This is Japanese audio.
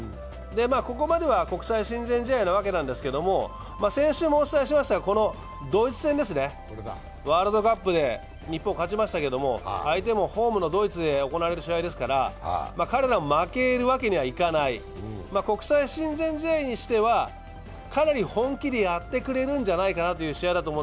ここまでは国際親善試合なわけですけど、ドイツ戦、ワールドカップで日本、勝ちましたけど相手もホームのドイツで行われる試合ですから、彼らも負けるわけにはいかない、国際親善試合にしてはかなり本気でやってくれる試合なのではないかなと。